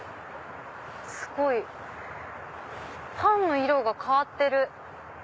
すごい！パンの色が変わってる。